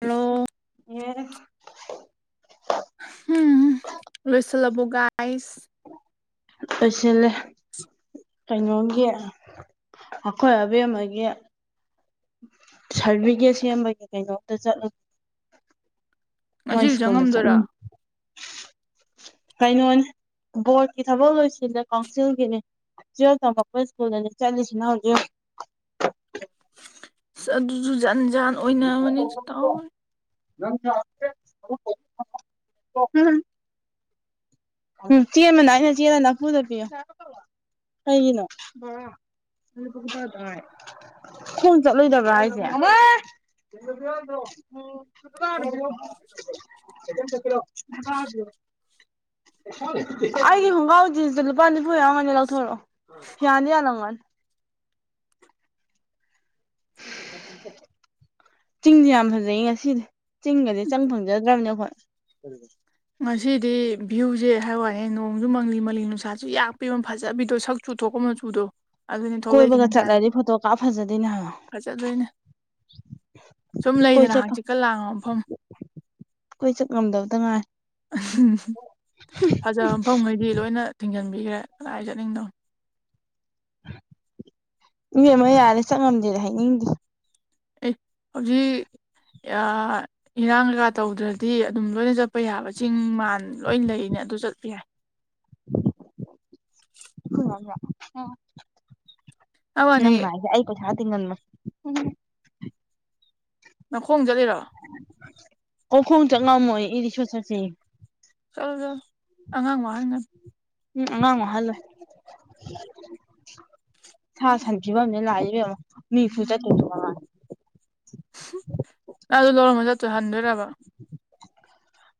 hello ꯌꯦ ꯍꯝ ꯂꯣꯏꯁ ꯂꯕꯒꯥꯏꯁ ꯑꯣꯏꯁꯤꯜꯂꯦ ꯀꯩꯅꯣꯝꯒꯤ ꯑꯩꯈꯣꯏ ꯑꯕꯦꯝ ꯑꯃꯒꯤ ꯁꯥꯔꯕꯤꯤꯐꯤꯀꯦꯠ ꯁꯦꯝꯕꯒꯤ ꯀꯩꯅꯣꯝꯇ ꯆꯠꯂꯨ ꯃ ꯉꯁꯤꯁꯨ ꯏꯁ꯭ꯀꯨꯜꯗ ꯆ ꯉꯝꯗꯣꯏꯔꯣ ꯎꯝ ꯀꯩꯅꯣꯅꯤ ꯕꯣꯔꯠꯀꯤ ꯊꯕꯛ ꯂꯣꯏꯁꯤꯜꯂꯦ ꯀꯥꯎꯟꯁꯤꯜꯒꯤꯅꯦ ꯇꯃꯛꯣꯏ ꯁꯀꯨꯜ ꯑꯣꯏꯅ ꯆꯁꯅ ꯍꯧꯖꯤꯛ ꯑ ꯑꯗꯨꯁꯨ ꯖꯥꯟ ꯖꯥꯟ ꯑꯣꯏꯅꯕꯅꯤꯁꯨ ꯇꯥꯎꯋ ꯑꯟꯑꯧꯗꯤꯕꯜ [unintelligible] ꯎꯝ ꯆꯦꯟꯕꯅ ꯑꯩꯅ ꯆꯦꯜꯂ ꯅꯥꯐꯨꯗ ꯄꯤꯌꯣ ꯀꯩꯒꯤꯅꯣ ꯑꯟꯑꯧꯗꯤꯕꯜ [unintelligible] ꯈꯣꯡ ꯆꯠꯂꯣꯏꯗꯕ꯭ꯔꯥ ꯍꯥꯏꯁꯦ ꯔꯣꯣꯔꯣ ꯑꯩꯒꯤ ꯈꯣꯡꯒꯥꯎꯖꯤꯁꯤꯗ ꯂꯨꯄꯥ ꯅꯤꯐꯨ ꯌꯥꯎꯉꯅꯤ ꯂꯧꯊꯣꯔꯛꯑꯣ ꯐꯤꯌꯥꯅꯤ ꯌꯥꯜꯂꯝꯒꯅꯤ [unintelligible] ꯆꯤꯡꯁꯦ ꯌꯥꯝ ꯐꯖꯩ ꯉꯁꯤꯗꯤ ꯆꯤꯡꯒꯗꯤ ꯆꯪ ꯐꯪꯖꯗ꯭ꯔꯕꯅꯦ ꯑꯩ ꯍꯣꯏ ꯉꯁꯤꯗꯤ ꯚ꯭ꯌꯨꯁꯦ ꯍꯥꯏ ꯋꯥꯏꯦ ꯅꯣꯡꯁꯨ ꯃꯪꯂꯤ ꯃꯂꯤ ꯅꯨꯡꯁꯥꯁꯨ ꯌꯥꯛꯄꯤꯕ ꯐꯖꯕꯤꯗꯣ ꯆꯨꯊꯣꯛꯀ ꯃꯆꯨꯗꯣ ꯑꯗꯨꯅꯤ ꯊꯣꯛꯂꯛꯏꯁꯦ ꯀꯣꯏꯕꯒ ꯆꯠꯂꯗꯤ ꯅꯁꯥꯗꯤ ꯐꯣꯇꯣ ꯀꯥꯞ ꯐꯖꯗꯣꯏꯅꯦ ꯍꯥꯏꯕ ꯐ ꯆꯗꯣꯏꯅꯦ ꯁꯨꯝ ꯂꯩꯗꯅ ꯆꯠ ꯍꯆꯤꯀ ꯂꯥꯡꯕ ꯃꯐꯝ ꯀꯣꯏ ꯆꯠ ꯉꯝꯗꯕꯗ ꯉꯥꯏ ꯎ ꯐꯖꯕ ꯃꯐꯝꯈꯩꯗꯤ ꯂꯣꯏꯅ ꯊꯤꯡꯖꯤꯟꯕꯤꯈ꯭ꯔꯦ ꯀꯗꯥꯏ ꯆꯠꯅꯤꯡꯗꯧꯅ ꯏꯦꯝ ꯑꯃ ꯌꯥꯔꯦ ꯆꯪ ꯉꯝꯗꯦꯗ ꯍꯥꯏꯅꯤꯡꯗ ꯑꯦ ꯍꯧꯖꯤꯛ ꯏꯔꯥꯡ ꯀꯩꯀꯥ ꯇꯧꯗ꯭ꯔꯗꯤ ꯑꯗꯨꯝ ꯂꯣꯏꯅ ꯆꯠꯄ ꯌꯥꯕ ꯆꯤꯡ ꯃꯥꯟ ꯂꯣꯏꯅ ꯂꯩꯅꯦ ꯑꯗꯨ ꯆꯠꯄ ꯌꯥꯏ ꯍ ꯍꯥꯏ ꯋꯥꯅꯤ ꯅꯪ ꯍꯥꯏꯦ ꯑ ꯄ ꯍꯥ ꯊ ꯉꯟ ꯅꯅꯥꯈꯣꯡ ꯆꯠꯂꯤꯔꯣ ꯀꯈꯣꯡ ꯆ ꯉꯝꯃꯣꯏ ꯏꯔꯤ ꯁꯣꯠ ꯆꯠꯁꯦ ꯆꯜꯗ ꯑꯉꯥꯡ ꯋꯥꯔꯅ ꯎꯝ ꯑꯉꯥꯡ ꯋꯥꯍꯜꯂꯣꯏ ꯁꯥ ꯁꯟꯤꯕ ꯑꯃꯅꯦ ꯂꯥꯛꯏꯕꯦꯝ ꯑꯃ ꯃꯤꯁꯨ ꯆ ꯊ ꯎ ꯅꯪꯗ ꯂꯧꯔꯝꯕ ꯆꯠꯇꯨ ꯍꯟꯗꯣꯏꯔꯕ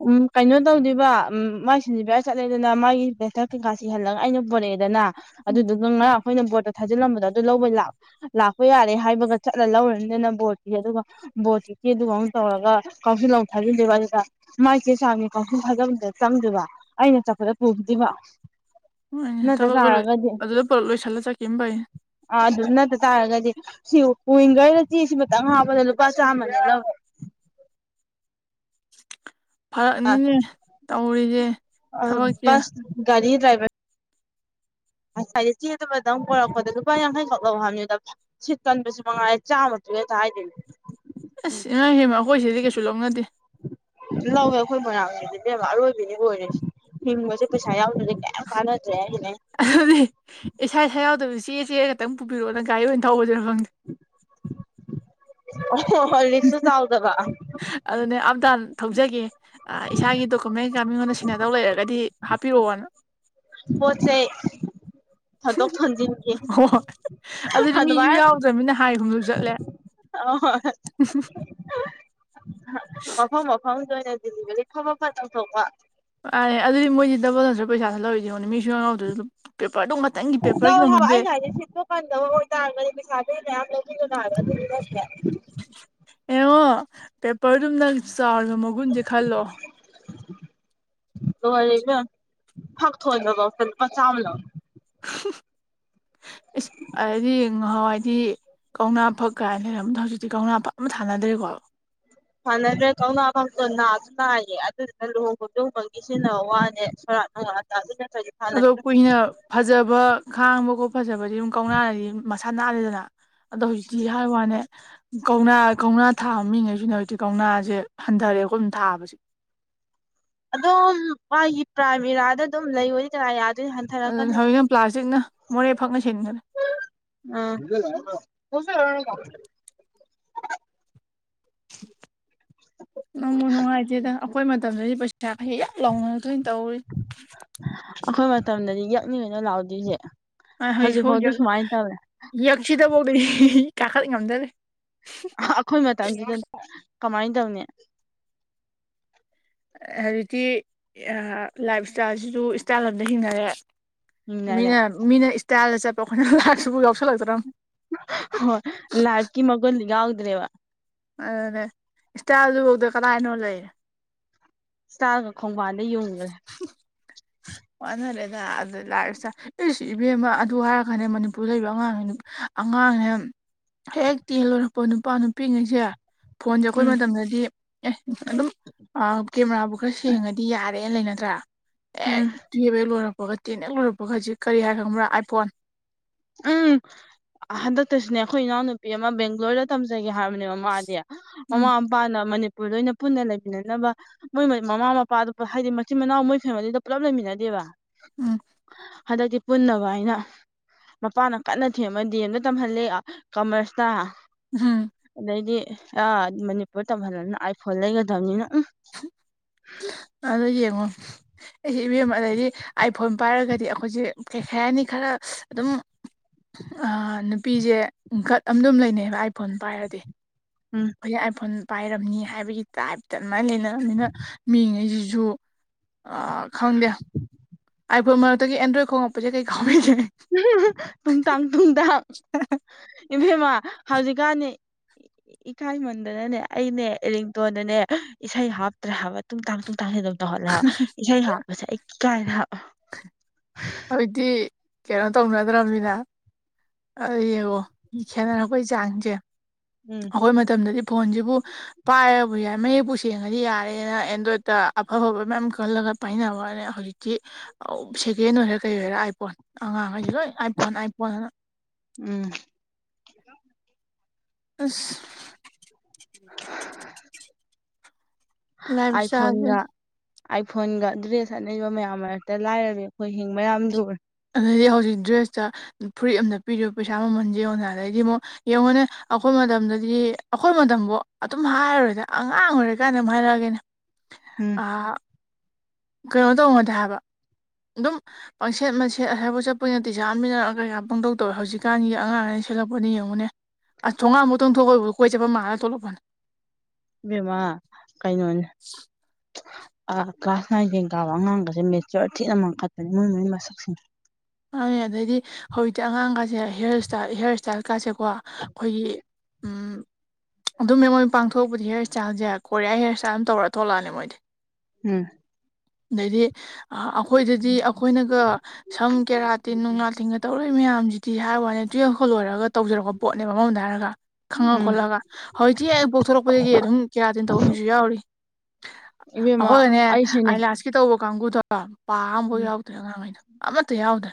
ꯎꯝ ꯀꯩꯅꯣ ꯇꯧꯗꯣꯏꯕ ꯎ ꯃꯥꯏ ꯁꯤꯟꯖꯤꯕ ꯆꯠꯂꯦꯗꯅ ꯃꯥꯒꯤ ꯄꯦꯊꯛ ꯀꯩꯀꯥ ꯁꯤꯍꯜꯂꯒ ꯑꯩꯅ ꯄꯨꯣꯔꯛꯑꯦꯗꯅ ꯎꯝ ꯑꯗꯨꯗꯨꯒ ꯉꯔꯥꯡ ꯑꯩꯈꯣꯏꯅ ꯕꯣꯠꯇꯣ ꯊꯥꯖꯤꯜꯂꯝꯕꯗꯣ ꯑꯗꯨ ꯂꯧꯕꯩ ꯂꯥꯛꯄ ꯂꯥꯛꯄ ꯌꯥꯔꯦ ꯍꯥꯏꯕꯒ ꯆꯠꯂ ꯂꯧꯔꯅꯤꯗꯅ ꯕꯣꯔꯠꯀꯤ ꯑꯗꯨꯒ ꯕꯣꯠ ꯀꯦ ꯑꯗꯨꯒꯥꯎꯅ ꯇꯧꯔꯒ ꯀꯥꯎꯁꯤꯜꯂꯥꯎ ꯊꯥꯖꯤꯟꯗꯦꯕ ꯑꯗꯨꯗ ꯃꯥꯏ ꯆꯦ ꯆꯥꯡꯅꯤ ꯀꯥꯡꯊꯨꯝ ꯐꯖꯕꯗ ꯆꯪꯗꯕ ꯑꯩꯅ ꯆꯠꯄꯗ ꯄꯨꯗꯕ ꯍꯣꯏꯅꯦ ꯊꯕꯛꯀ ꯂꯣꯏ ꯑꯗꯨꯗ ꯄꯨꯂꯞ ꯂꯣꯏꯁꯤꯜꯂ ꯆꯠꯀꯦ ꯑꯃ ꯩꯅꯦ ꯑꯥ ꯑꯗꯨ ꯅꯠꯇ ꯇꯥꯔꯒꯗꯤ ꯁꯤ ꯋꯤꯡꯒꯔꯗ ꯆꯦꯁꯤ ꯃꯇꯪ ꯍꯥꯞꯄꯗ ꯂꯨꯄꯥ ꯆꯥꯝꯃꯗ ꯂꯧꯋꯦ ꯐꯔꯛꯅꯤꯅꯦ ꯇꯧꯔꯤꯁꯦ ꯊꯕꯛꯁꯦ ꯑꯁ ꯒꯥꯔꯤ ꯗ꯭ꯔꯥꯏꯕꯔ ꯑꯁ ꯍꯥꯏꯗꯤ ꯆꯦꯗꯕꯗꯪ ꯄꯔꯛꯄꯗ ꯂꯨꯄꯥ ꯌꯥꯡꯈꯩꯈꯛ ꯂꯧ ꯍꯥꯅꯤꯗ ꯁꯤꯠ ꯀꯟꯕꯁꯨ ꯃꯉꯥꯏ ꯆꯥꯝꯃ ꯇꯨ ꯍꯦꯛꯇ ꯍꯥꯏꯗꯣꯏꯅꯦ ꯑꯁ ꯏꯃꯥ ꯍꯦꯝꯃ ꯑꯩꯈꯣꯏꯁꯤꯗꯤ ꯀꯩꯁꯨ ꯂꯧꯅꯗꯦ ꯂꯧꯋꯦ ꯑꯩꯈꯣꯏ ꯃꯅꯥꯅꯤꯅꯦꯕ ꯑꯔꯣꯏꯕꯤꯅꯤ ꯂ ꯑꯣꯏꯔꯁꯤꯦ ꯍꯤꯡꯕꯁꯦ ꯄꯩꯁꯥ ꯌꯥꯎꯗ꯭ꯔꯦ ꯀꯩꯌꯥꯝ ꯀꯥꯟꯅꯗ꯭ꯔꯦ ꯍꯥꯏꯅꯦ ꯑꯗꯨꯗꯤ ꯏꯁꯥ ꯏꯁꯥ ꯌꯥꯎꯗꯕ ꯆꯦ ꯆꯦ ꯈꯛꯇꯪ ꯄꯨꯕꯤꯔꯛꯑꯣꯅ ꯒꯥꯔꯤ ꯑꯣꯏꯅ ꯊꯧꯕꯗꯨꯅ ꯐꯪꯗꯦ ꯍ ꯂꯤꯁꯨ ꯆꯥꯎꯗꯕ ꯑꯗꯨꯅꯦ ꯑꯞꯗꯥ ꯊꯧꯖꯒꯦ ꯏꯁꯥꯒꯤ ꯗꯣꯀꯨꯃꯦꯟ ꯃꯤꯉꯣꯟꯗ ꯁꯤꯅꯗꯧ ꯂꯩꯔꯒꯗꯤ ꯍꯥꯞꯄꯤꯔꯛꯑꯣꯅ ꯄ ꯆꯩꯦ ꯊꯗꯣꯛ ꯊꯟꯖꯤ ꯑꯣ ꯑ ꯑꯗꯨꯗꯤ ꯃꯤꯁꯨ ꯑꯗꯨꯕꯥꯏ ꯌꯥꯎꯗ꯭ꯔꯕꯅꯤꯅ ꯍꯥꯏ ꯍꯨꯝꯁꯨ ꯆꯠꯂꯦ ꯑ ꯍ ꯃꯐꯝ ꯃꯐꯝꯗ ꯑꯣꯏꯅ ꯗꯤꯂꯤꯚꯔꯤ ꯊꯕꯛ ꯈꯔ ꯇꯧꯊꯣꯛꯄ ꯑꯥꯦ ꯑꯗꯨꯗꯤ ꯃꯣꯏꯗꯤꯦ ꯗꯕꯜ ꯅꯟ꯭ꯔ ꯄꯩꯁꯥꯗ ꯂꯧꯔꯤꯁꯤ ꯌꯦꯉꯣ ꯅꯨ ꯃꯤꯁꯨ ꯌꯥꯉꯥꯎꯗ꯭ꯔ ꯄꯦꯄꯔꯗꯨꯝ ꯂꯧꯋꯦ ꯍꯥꯏꯕ ꯑꯩꯩꯅ ꯍꯥꯏꯗꯤ ꯁꯤꯠꯇꯣ ꯀꯟꯗꯕ ꯑꯣꯏ ꯇꯥꯔꯒꯅꯤ ꯄꯩꯁꯥꯗꯨ ꯃꯌꯥꯝ ꯂꯧꯕꯤꯗꯅ ꯍꯥꯏꯕ ꯑꯗꯨ ꯂꯧꯦ ꯑꯦꯉ ꯄꯦꯄꯔꯗꯨꯝ ꯅꯪ ꯆꯥꯎꯥꯔꯕ ꯃꯒꯨꯟꯁꯦ ꯈꯜꯂꯣ ꯕ ꯐꯛ ꯊꯒ ꯐ ꯆ ꯑꯃ ꯂꯧ ꯏꯁ ꯑꯗꯨꯗꯗꯤ ꯉꯍꯥꯟꯋꯥꯏꯗꯤ ꯀꯧꯅꯥ ꯐꯛ ꯀꯥꯏꯅ ꯂꯩꯔꯝꯕꯗꯣ ꯍꯧꯖꯤꯛꯇꯤ ꯀꯧꯅꯥ ꯐꯥ ꯑꯃ ꯊꯥꯅꯗ꯭ꯔꯦꯀꯣ ꯁꯥꯟꯅꯗ꯭ꯔꯦ ꯀꯧꯅꯥ ꯐꯛꯇ ꯅꯥꯁꯨ ꯅꯥꯏꯌꯦ ꯑꯗꯨꯗꯨꯅ ꯂꯨꯍꯣꯡꯕ ꯂꯣꯡꯕꯒꯤ ꯁꯤꯖꯤꯟꯅꯕ ꯋꯥꯅꯦ ꯁꯣꯔꯥꯠ ꯅꯨꯡꯔꯥꯠ [unintelligible] ꯑꯗꯣ ꯀꯨꯏꯅ ꯐꯖꯕ ꯈꯥꯡꯕ ꯈꯣꯠꯄ ꯐꯖꯕꯗꯤ ꯑꯗꯨꯝ ꯀꯧꯅꯥꯅꯗꯤ ꯃꯁꯥ ꯅꯥꯂꯦꯗꯅ ꯑꯗꯣ ꯍꯧꯖꯤꯛꯇꯤ ꯍꯥꯏ ꯋꯥꯅꯦ ꯀꯧꯅꯥ ꯀꯧꯅꯥ ꯊꯥꯕ ꯃꯤꯉꯩꯁꯤꯅ ꯍꯧꯖꯤꯛꯇꯤ ꯀꯧꯅꯥꯁꯦ ꯍꯟꯊꯔꯛꯑꯦꯈꯨꯝ ꯊꯥꯕꯁꯦ ꯑꯗꯨꯝ ꯃꯥꯒꯤ ꯄ꯭ꯔꯥꯏꯃꯦꯔꯥꯗ ꯑꯗꯨꯝ ꯂꯩ ꯇꯔ ꯌꯥꯗꯣꯏꯅꯣ ꯍꯟꯊ ꯑꯗꯨꯅ ꯍꯧꯖꯤꯛꯅꯪ ꯄ꯭ꯂꯥꯁꯇꯤꯛꯅ ꯃꯣꯔꯦ ꯐꯛꯅ ꯁꯤꯟꯈ꯭ꯔꯦ ꯑꯝ [unintelligible] ꯅꯪꯃ ꯅꯨꯡꯉꯥꯏꯇꯦꯗ ꯑꯩꯈꯣꯏ ꯃꯇꯝꯗꯗꯤ ꯄꯩꯁꯥ ꯈꯩ ꯌꯥꯝ ꯂꯥꯎꯅꯗꯣꯏꯅ ꯇꯧꯔꯤ ꯑꯩꯈꯣꯏ ꯃꯇꯝꯗꯗꯤ ꯌꯦꯛꯅꯤꯡꯉꯅ ꯂꯥꯛꯗꯣꯏꯁꯦ ꯍꯧꯖꯤꯛ ꯐꯥꯎꯗ ꯁꯨꯃꯥꯏꯅ ꯇꯧꯔꯦ ꯌ ꯌꯛꯁꯤꯗꯕꯨꯣꯒ ꯀꯥꯀꯠ ꯉꯝꯗ꯭ꯔꯦ ꯑꯍ-ꯑꯩꯈꯣꯏ ꯃꯇꯝꯗꯨꯗ ꯀꯃꯥꯏꯅ ꯇꯧꯅꯤ ꯍꯧꯖꯤꯛꯇꯤ ꯂꯥꯏꯞ ꯏꯁꯇꯥꯏꯜꯁꯤꯁꯨ ꯏꯁꯇꯥꯏꯜ ꯑꯝꯗ ꯍꯤꯡꯅꯔꯦ ꯌꯦꯡꯅꯔꯦ ꯃꯤꯅ ꯃꯤꯅ ꯏꯁꯇꯥꯏꯜꯗ ꯆꯠꯄ ꯑꯩꯈꯣꯏꯅ ꯂꯥꯏꯁꯨꯕꯨ ꯌꯥꯎꯁꯜꯂꯛꯇꯔꯥ ꯍ ꯂꯥꯔꯀꯤ ꯃꯒꯜꯒꯎꯗ꯭ꯔꯦꯕ ꯑꯗꯨꯅꯦ ꯏꯁꯇꯥꯏꯜꯗꯨꯐꯥꯎꯗ ꯀꯗꯥꯏꯅꯣ ꯂꯩꯔꯦ ꯏꯁꯇꯥꯔꯒ ꯈꯣꯡꯕꯥꯟꯗ ꯌꯨꯡꯈꯦ ꯑꯣꯟꯔꯦꯗ ꯑꯗꯨꯗ ꯂꯁꯇ ꯏꯁ ꯏꯕꯦꯝꯃ ꯑꯗꯨ ꯍꯥꯏꯔꯒꯥꯟꯗ ꯃꯅꯤꯄꯨꯔꯗ ꯂꯩꯕ ꯑꯉꯥꯡ ꯑꯉꯥꯡꯅꯦ ꯍꯦꯛ ꯍꯦꯛ ꯇꯦꯜ ꯂꯣꯏꯔꯛꯄ ꯅꯨꯄꯥ ꯅꯨꯄꯤꯉꯩꯁꯦ ꯐꯣꯟꯁꯦ ꯑꯩꯈꯣꯏ ꯎꯝ ꯃꯇꯝꯗꯗꯤ ꯑꯦ ꯑꯗꯨꯝ ꯀꯦꯃꯦꯔꯥꯕꯨ ꯈꯔ ꯁꯦꯡꯉꯗꯤ ꯌꯥꯔꯦꯅ ꯂꯩ ꯅꯠꯇ꯭ꯔꯥ ꯎꯝ ꯑꯦꯛ ꯇꯨꯌꯦꯕ ꯍꯦꯛ ꯂꯣꯏꯔꯛꯄꯒ ꯇꯦꯟ ꯍꯦꯛ ꯂꯣꯏꯔꯛꯄꯒ ꯍꯨꯖꯤꯛ ꯀꯔꯤ ꯍꯥꯏ ꯈꯪꯕ꯭ꯔꯥ ꯑꯥꯏꯐꯣꯟ ꯎꯝ ꯍꯟꯗꯛꯇꯁꯨꯅꯦ ꯑꯩꯈꯣꯏ ꯏꯅꯥꯎꯅꯨꯄꯤ ꯑꯃ ꯕꯦꯡꯒ꯭ꯂꯣꯔꯗ ꯇꯝꯖꯒꯦ ꯍꯥꯏꯕꯅꯦ ꯃꯃꯥꯗꯤ ꯎꯝ ꯃꯃꯥ ꯃꯄꯥꯅ ꯃꯅꯤꯄꯨꯔ ꯂꯣꯏꯅ ꯄꯨꯟꯅ ꯂꯩꯃꯤꯟꯅꯅꯕ ꯃꯣꯏ ꯃꯃꯥ ꯃꯄꯥꯗꯨ ꯍꯥꯏꯗꯤ ꯃꯆꯤꯟ ꯃꯅꯥꯎ ꯃꯣꯏ ꯐꯦꯃꯤꯂꯤꯗ ꯄꯨꯂꯞ ꯂꯩꯃꯤꯟꯅꯗꯦꯕ ꯎꯝ ꯍꯟꯗꯛꯇꯤ ꯄꯨꯟꯅꯕ ꯍꯥꯏꯅ ꯃꯄꯥꯅ ꯀꯟꯅ ꯊꯦꯝꯃꯗꯤ ꯑꯝꯇ ꯇꯝꯍꯜꯂꯦ ꯀꯃꯔꯁꯇ ꯑꯍꯝ ꯑꯗꯩꯗꯤ ꯑ ꯃꯅꯤꯄꯨꯔ ꯇꯝꯍꯜꯂꯅ ꯑꯥꯏ ꯐꯣꯟ ꯂꯩꯒꯗꯕꯅꯤꯅ ꯎꯝ ꯑꯗꯣ ꯌꯦꯡꯉꯣ ꯑꯩꯁꯦ ꯏꯕꯦꯝꯃ ꯑꯗꯩꯗꯤ ꯑꯥꯏꯐꯣꯟ ꯄꯥꯏꯔꯒꯗꯤ ꯑꯩꯈꯣꯏꯁꯦ ꯀꯩ ꯍꯥꯏ ꯍꯥꯏꯅꯤ ꯈꯔ ꯑꯗꯨꯝ ꯅꯨꯄꯤꯁꯦꯀꯠ ꯑ ꯑꯗꯨꯝ ꯂꯩꯅꯩꯕ ꯑꯥꯏꯐꯣꯟ ꯄꯥꯏꯔꯗꯤ ꯎꯝ ꯑꯩꯈꯣꯏꯁ ꯑꯥꯏꯐꯣꯟ ꯄꯥꯏꯔꯝꯅꯤ ꯍꯥꯏꯕꯒꯤ ꯇꯥꯏꯞꯇ ꯑꯗꯨꯃꯥꯏꯅ ꯂꯩꯅꯅꯤꯅ ꯃꯤꯉꯩꯁꯤꯁꯨ ꯑ ꯈꯪꯗꯦ ꯑꯥꯏꯐꯣꯟ ꯃꯔꯛꯇꯒꯤ ꯑꯦꯟꯗ꯭ꯔꯣꯏꯗ ꯈꯣꯡꯉꯛꯄꯁꯦ ꯀꯩ ꯈꯥꯎꯕꯤꯒꯦ ꯇꯨꯡ ꯇꯥꯡ ꯇꯨꯡꯗꯥꯡ ꯏꯚꯦꯝꯃ ꯍꯧꯖꯤꯛꯀꯥꯟꯅꯤ ꯏꯀꯥꯏꯃꯟꯗꯅꯅꯦ ꯑꯩꯅꯦ ꯏꯔꯤꯡꯇꯣꯟꯗꯅꯦ ꯏꯁꯩ ꯍꯥꯞꯇ꯭ꯔꯦ ꯍꯥꯏꯕ ꯇꯨꯡꯇꯥꯛ ꯇꯨꯡꯇꯥꯛꯦ ꯍꯂꯦ ꯍꯥꯥꯎ ꯏꯁ ꯍꯥꯞꯄꯁꯦ ꯀꯥꯏꯅ ꯍꯥ ꯍꯧꯖꯤꯛꯇ ꯀꯩꯅꯣ ꯇꯧꯅꯗ꯭ꯔꯃꯤꯅ ꯑ ꯌꯦꯡꯉꯣ ꯈꯦꯅꯔꯛꯄꯩ ꯆꯥꯡꯁꯦ ꯎꯝ ꯑꯩꯈꯣꯏ ꯃꯇꯝꯗꯗꯤ ꯐꯣꯟꯁꯤꯕꯨ ꯄꯥꯏꯔꯕꯨ ꯌꯥꯏ ꯃꯌꯦꯛꯄꯨ ꯁꯦꯡꯉꯗꯤ ꯌꯥꯔꯦꯅ ꯑꯦꯟꯗ꯭ꯔꯣꯏꯗꯇ ꯑꯐ ꯐꯕ ꯃꯌꯥꯝ ꯈꯜꯂꯒ ꯄꯥꯏꯅꯕꯅꯦ ꯍꯧꯖꯤꯛꯇꯤ ꯁꯤ ꯑ-ꯁꯦꯀꯦꯟ ꯑꯣꯏꯔ ꯀꯩ ꯑꯣꯏꯔ ꯑꯥꯏꯐꯣꯟ ꯑꯉꯥꯡꯈꯩꯁꯤ ꯂꯣꯏ ꯑꯥꯏ ꯐꯣꯟ ꯑꯥꯏ ꯐꯣꯟꯅ ꯎꯝ [inaudible] ꯑꯁ ꯂꯥꯏꯞ ꯑꯥꯏ ꯏꯁꯇꯥꯏꯜꯁꯦ ꯐꯣꯟꯉ ꯑꯥꯏꯐꯣꯟꯒ ꯗ꯭ꯔꯦꯁ ꯑꯅꯩꯕ ꯃꯌꯥꯝ ꯃꯔꯛꯇ ꯂꯥꯏꯔꯕꯤ ꯑꯩꯈꯣꯏ ꯍꯤꯡꯕ ꯌꯥꯝ ꯂꯨꯔꯦ ꯑꯗꯨꯗꯩꯗꯤ ꯍꯧꯖꯤꯛ ꯗ꯭ꯔꯦꯁꯇ ꯐꯨꯔꯤꯠ ꯑꯝꯗ ꯄꯤꯔꯤꯕ ꯄꯩꯁꯥ ꯃꯃꯟꯁꯦ ꯌꯦꯉꯣꯅ ꯑꯗꯩꯗꯤ ꯑꯃꯨꯛ ꯌꯦꯡꯉꯣꯅꯦ ꯑꯩꯈꯣꯏ ꯃꯇꯝꯗꯗꯤ ꯑꯩꯈꯣꯏ ꯃꯇꯝꯕꯨ ꯑꯗꯨꯝ ꯍꯥꯏꯔꯔꯣꯗ ꯑꯉꯥꯡ ꯑꯣꯏꯔꯀꯥꯟꯗ ꯑꯗꯨꯝ ꯍꯥꯏꯔꯛꯑꯒꯦꯅꯦ ꯍꯝ ꯑꯥ ꯀꯩꯅꯣ ꯇꯧꯅꯗꯦ ꯍꯥꯏꯕ ꯑꯗꯨꯝ ꯄꯪꯁꯦꯠ ꯃꯁꯦ ꯑꯁꯋꯥꯏ ꯐꯥꯎ ꯆꯠꯄꯇꯤꯁꯥꯠ ꯑꯃꯥ ꯀꯩꯀꯥ ꯄꯪꯗꯧ ꯇꯧꯋꯦ ꯍꯧꯖꯤꯛꯀꯥꯟꯒꯤ ꯑꯉꯥꯡ ꯑꯅ ꯁꯦꯂꯛꯄꯅꯤ ꯌꯦꯡꯉꯨꯅꯦ ꯑ ꯊꯣꯡꯒꯥꯟꯕꯨꯛꯇꯪ ꯊꯣꯛꯄꯩꯕꯨ ꯀꯣꯏ ꯆꯠꯄ ꯃꯥꯜꯂ ꯊꯣꯛꯂꯛꯄꯅꯤ ꯏꯕꯦꯝꯃ ꯀꯩꯅꯣꯅꯦ ꯀ꯭ꯂꯥꯁ ꯅꯥꯏꯟ ꯇꯦꯟ ꯀꯥꯕ ꯑꯉꯥꯡꯒꯁꯦ ꯃꯦꯆꯔ ꯊꯤꯅ ꯑꯃꯥꯟ ꯀꯠꯄꯅꯤ ꯃꯣꯏ ꯃꯣꯏꯒꯤ ꯃꯁꯛꯁꯤꯡ ꯃꯥꯅꯦ ꯑꯗꯩꯗꯤ ꯍꯧꯖꯤꯛꯇꯤ ꯑꯉꯥꯡꯒꯥꯁꯦ ꯍꯌꯔ ꯁ꯭ꯇꯥꯏꯜ ꯍꯤꯌꯔ ꯁ꯭ꯇꯥꯏꯜꯀꯥꯁꯦꯀꯣ ꯑꯩꯈꯣꯏꯒꯤ ꯎꯝ ꯑꯗꯨꯝ ꯃꯦꯝ ꯃꯣꯏ ꯄꯥꯡꯊꯣꯛꯄ ꯍꯌꯔ ꯏꯁꯇꯥꯏꯜꯁꯦ ꯀꯣꯌꯥ ꯍꯌꯔ ꯏꯁꯇꯥꯏꯜꯝ ꯇꯧꯔ ꯊꯣꯛꯂꯛꯑꯅꯤ ꯃꯣꯏꯗꯤ ꯎꯝ ꯑꯗꯩꯗꯤ ꯑꯩꯈꯣꯏꯗꯗꯤ ꯑꯩꯈꯣꯏꯅꯒ ꯁꯝ ꯀꯦꯔꯥꯇꯤꯟ ꯅꯨꯡꯅꯥꯥ ꯇꯤꯟꯒ ꯇꯧꯔꯣꯏ ꯃꯌꯥꯝꯁꯤꯗꯤ ꯍꯥꯏ ꯋꯥꯅꯦ ꯇꯨꯌꯦꯞꯀ ꯂꯣꯏꯔꯒ ꯇꯧꯖꯔꯛꯄ ꯄꯣꯠꯅꯦꯕ ꯑꯃꯔꯣꯝꯗ ꯍꯥꯏꯔꯒ ꯈꯪꯉ ꯎꯝ ꯈꯣꯠꯂꯒ ꯍꯧꯖꯤꯛꯇꯤ ꯑꯩ ꯄꯣꯛꯊꯣꯔꯛꯄꯗꯒꯤ ꯑꯗꯨꯝ ꯀꯦꯌꯥꯇꯤꯟ ꯇꯧꯕ ꯃꯤꯁꯨ ꯌꯥꯎꯔꯤ ꯏꯕꯦꯝꯃ ꯑꯩꯈꯣꯏꯅꯦ ꯑꯩꯁꯨꯅꯦ ꯑꯥꯏꯂꯥꯁꯀꯤ ꯇꯧꯕ ꯀꯥꯡꯕꯨꯗꯣ ꯄꯥ ꯑꯃꯐꯥꯎ ꯎꯝ ꯌꯥꯎꯗ꯭ꯔꯦ ꯑꯉꯥꯡꯍꯩꯗꯣ ꯑꯝꯇ ꯌꯥꯎꯗ꯭ꯔꯦ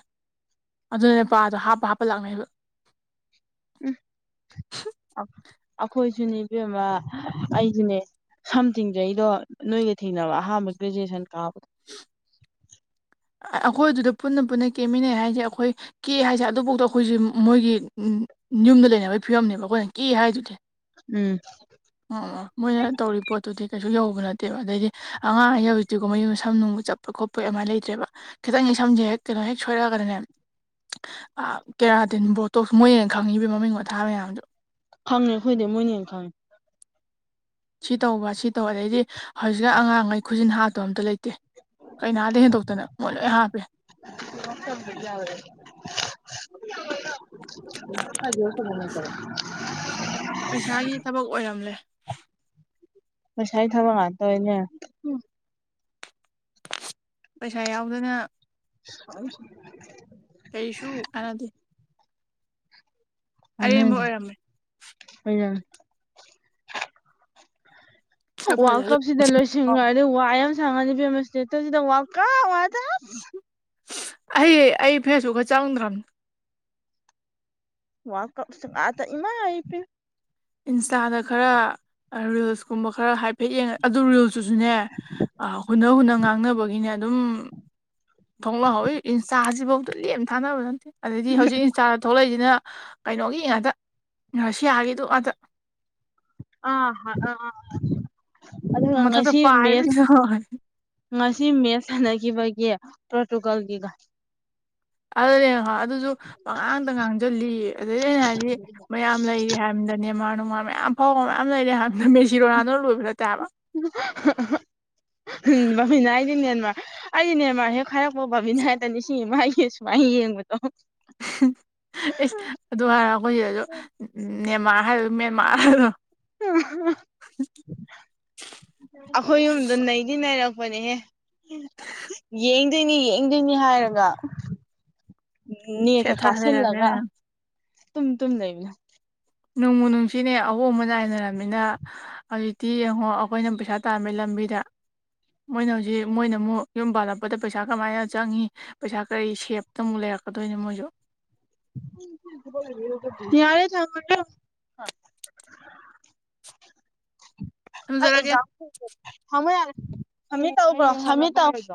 ꯑꯗꯨꯅꯦꯄꯥꯗꯣ ꯍꯥꯞꯄ ꯍꯥꯞꯄ ꯂꯥꯛꯅꯩꯕ ꯎꯝ [inaudible] ꯑꯩꯈꯣꯏꯁꯨꯅꯦ ꯏꯕꯦꯝꯃ ꯑꯩꯁꯨꯅꯦ ꯁꯝ ꯊꯤꯡꯖꯩꯗꯣ ꯅꯣꯏꯒ ꯊꯦꯡꯅꯕ ꯑꯍꯥꯟꯕ ꯒ꯭ꯔꯦꯖꯨꯑꯦꯁꯟ ꯀꯥꯕꯗꯣ ꯑꯩꯈꯣꯏ ꯑꯗꯨꯗ ꯄꯨꯟꯅ ꯄꯨꯟꯅ ꯀꯦꯃꯤꯟꯅꯩ ꯍꯥꯏꯁꯦ ꯑꯩꯈꯣꯏ ꯀꯦ ꯍꯥꯏꯁꯦ ꯑꯗꯨꯐꯥꯎꯗ ꯑꯩꯈꯣꯏꯁꯦ ꯃꯣꯏꯒꯤ ꯌꯨꯝꯗ ꯂꯩꯅꯕꯒꯤ ꯐꯤꯕꯝꯅꯦꯕ ꯑꯩꯈꯣꯏꯅ ꯀꯦ ꯍꯥꯏꯗꯨꯗꯤ ꯎꯝ ꯃꯣꯏꯅ ꯇꯧꯔꯤ ꯄꯣꯠꯇꯨꯗꯤ ꯀꯩꯁꯨ ꯌꯧꯕ ꯅꯠꯇꯦꯕ ꯑꯗꯩꯗꯤ ꯑꯉꯥꯡꯉꯩꯅ ꯍꯧꯖꯤꯛꯇꯤ ꯃꯌꯨꯝ ꯁꯝꯅꯨꯡꯒ ꯆꯞ ꯈꯣꯠꯄ ꯑꯃꯥꯏ ꯂꯩꯇ꯭ꯔꯦꯕ ꯈꯤꯇꯪ ꯁꯝꯁꯦ ꯍꯦꯛ ꯀꯩꯅꯣ ꯍꯦꯛ ꯁꯣꯏꯔꯛꯑꯒꯗꯅꯦ ꯑ-ꯀꯦꯔꯥꯇꯤꯟ ꯕꯣꯇꯣꯛꯁ ꯃꯣꯏꯅ ꯍꯦꯟꯅ ꯈꯪꯉꯤꯕ ꯃꯃꯤꯡ ꯃꯊꯥ ꯃꯌꯥꯝꯗꯣ ꯈꯪꯉꯦ ꯑꯩꯈꯣꯏꯗꯦ ꯃꯣꯏꯅꯦꯅ ꯍꯦꯟꯅ ꯈꯪꯉꯦ ꯁꯤ ꯇꯧꯕ ꯁꯤ ꯇꯧꯕ ꯑꯗꯩꯗꯤ ꯍꯧꯖꯤꯛꯅ ꯑꯉꯥꯡꯉꯩ ꯈꯨꯖꯤꯟ ꯍꯥꯠꯇꯕ ꯑꯝꯇ ꯂꯩꯇꯦ ꯀꯩꯅꯥꯗꯩ ꯍꯦꯟꯗꯣꯛꯇꯅ ꯃꯣꯏ ꯂꯣꯏ ꯍꯥꯞꯄꯦ [unintelligible] [unintelligible] ꯄꯩꯁꯥꯒꯤ ꯊꯕꯛ ꯑꯣꯏꯔꯝꯂꯦ ꯄꯩꯁꯥꯏ ꯊꯕꯛ ꯉꯥꯛꯇ ꯑꯣꯏ ꯂꯩꯂꯝꯃꯦ ꯄꯩꯁꯥ ꯌꯥꯎꯗꯅ [unintelligible] ꯀꯩꯁꯨ ꯀꯥꯟꯅꯗꯦ ꯑꯔꯦꯝꯕ ꯀꯟꯅꯗꯦ ꯑꯣꯏꯔꯝꯃꯦ ꯑꯂꯝ ꯁꯛ ꯋꯥꯔꯜ ꯐꯖ ꯀꯞꯁꯤꯗ ꯂꯣꯏꯁꯤꯟꯈ꯭ꯔꯥꯗꯤ ꯋꯥ ꯃꯥ ꯁꯥꯡꯉꯅꯤ ꯋꯥꯈꯜ ꯀꯞ ꯉꯛꯇ ꯑꯩ-ꯑꯩ ꯐꯦꯁꯕꯨꯛꯀ ꯆꯪꯗ꯭ꯔꯝ ꯋꯥꯔꯜ ꯀꯞꯁꯤ ꯉꯛꯇ ꯏꯃꯥꯏ ꯄꯦꯝ ꯏꯟꯁꯇꯥꯗ ꯈꯔ ꯔꯤꯜꯁ ꯀꯨꯝꯕ ꯈꯔ ꯍꯥꯏ ꯍꯥꯏꯐꯦꯠ ꯌꯦꯡꯉ ꯑꯗꯨ ꯔꯨꯜꯇꯨꯁꯨꯅꯦ ꯍꯨꯟꯅ ꯍꯨꯟꯅ ꯉꯥꯡꯅꯕꯒꯤꯅꯦ ꯑꯗꯨꯝ ꯊꯣꯛꯂꯛꯍꯧꯋꯏ ꯏꯟꯁꯇꯥꯁꯤꯐꯧꯗ ꯂꯦꯝꯅ ꯊꯥꯅꯕ ꯅꯠꯇꯦ ꯑꯩꯗꯤ ꯍꯧꯖꯤꯛ ꯏꯟꯁꯇꯥꯗ ꯊꯣꯛꯂꯛꯏꯁꯤꯅ ꯀꯩꯅꯣꯒꯤ ꯉꯥꯗ ꯉꯥꯁꯤ ꯌꯥꯒꯤꯗꯨ ꯑꯥꯗ ꯑ ꯑꯥ ꯑꯗꯨꯒ ꯃꯊꯛꯇ ꯉꯁꯤ ꯃꯦꯠ ꯄꯥꯏꯕꯤꯗꯣ ꯉꯁꯤ ꯃꯦꯠ ꯁꯥꯟꯅꯈꯤꯕꯒꯤ ꯄꯣꯔꯇꯨꯒꯜꯒꯤꯒ ꯑꯗꯨꯅꯦ ꯑꯗꯨꯁꯨ ꯄꯉꯥꯡꯗ ꯉꯥꯡꯁꯤꯜꯂꯤ ꯑꯗꯨꯏ ꯑꯩꯅ ꯍꯥꯏꯗꯤ ꯃꯌꯥꯝ ꯂꯩꯔꯤ ꯍꯥꯏꯕꯗ ꯅꯦꯃꯥꯔ ꯅꯨꯡꯃꯥꯔ ꯃꯌꯥꯝ ꯐꯥꯎꯕ ꯃꯌꯥꯝ ꯂꯩꯔꯤ ꯍꯥꯏꯕꯗꯦ ꯀꯤꯔꯣꯅꯥꯅ ꯂꯣꯏꯕ ꯅꯠꯇꯦꯕ ꯕꯥꯕꯤꯅꯥ ꯍꯥꯏꯗꯤꯅꯦꯃ ꯑꯩꯗꯤꯅꯦ ꯃꯥ ꯍꯦꯛ ꯈꯥꯏꯔꯛꯄ ꯕꯥꯥꯕꯤꯅ ꯍꯥꯏꯗꯅꯤ ꯁꯤꯅꯦꯃ ꯑꯩꯒꯤꯦ ꯁꯨꯃꯥꯏꯅ ꯌꯦꯡꯕꯗꯣ ꯑꯦꯁ ꯑꯗꯨ ꯍꯥꯏꯔ ꯑꯩꯈꯣꯏ ꯁꯤꯗꯁꯨ ꯅꯦꯟꯃꯥꯔ ꯍꯥꯏꯕ ꯃꯦꯟꯃꯥꯔ ꯍꯥꯏꯗꯣ [unintelligible] ꯑꯩꯈꯣꯏ ꯌꯨꯝꯗ ꯅꯩꯗꯤ ꯅꯅꯥꯩꯔꯛꯄꯅꯦꯍꯦ ꯌꯦꯡꯗꯣꯏꯅꯤ ꯌꯦꯡꯗꯣꯏꯅꯤ ꯍꯥꯏꯔꯒ ꯅ ꯆ ꯁꯦꯠꯊ ꯀꯥꯁꯦꯟ ꯂꯥꯛꯒ ꯂꯩꯔꯕꯅꯤꯅ ꯇꯨꯝ ꯇꯨꯝ ꯂꯩꯅ ꯅꯣꯡꯃꯨ ꯅꯨꯡꯁꯤꯅꯦ ꯑꯍꯣꯡꯕ ꯅꯥꯏꯅꯔꯕꯝꯃꯤꯅ ꯍꯧꯖꯤꯛꯇꯤ ꯌꯦꯡꯉꯣ ꯑꯩꯈꯣꯏꯅ ꯄꯩꯁꯥ ꯇꯥꯝꯃꯦ ꯂꯝꯕꯤꯗ ꯃꯣꯏꯅ ꯍꯧꯖꯤꯛ ꯃꯣꯏꯅ ꯑꯃꯨꯛ ꯌꯨꯝ ꯄꯥꯜꯂꯛꯄꯗ ꯄꯩꯁꯥ ꯀꯃꯥꯏꯅ ꯆꯪꯉꯤ ꯄꯩꯁꯥ ꯀꯔꯤ ꯁꯦꯞꯇ ꯑꯃꯨꯛ ꯂꯩꯔꯛꯀꯗꯣꯏꯅꯣ ꯃꯣꯏꯁꯨ ꯌꯥꯔꯦ ꯊꯃꯗ [unintelligible] ꯑꯩ ꯊꯝꯖꯔꯒꯦ ꯑꯦꯛꯖꯥꯝꯝꯃ ꯌꯥꯠ ꯇꯧꯕ꯭ꯔꯣ ꯇꯣ